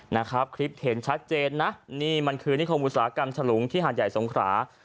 นะครับคลิปเห็นชัดเจนนะนี่มันคือนิคมอุตสาหกรรมฉลุงที่หาดใหญ่สงขรา